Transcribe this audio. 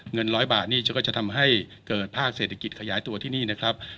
เงิน๑๐๐บาทนี่ฉันก็จะทำให้เกิดภาคเศรษฐกิจขยายตัวที่นี่นะครับ